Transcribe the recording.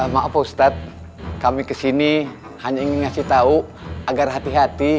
maaf ustadz kami kesini hanya ingin ngasih tahu agar hati hati